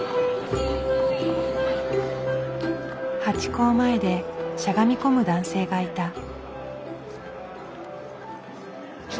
ハチ公前でしゃがみ込む男性がいた。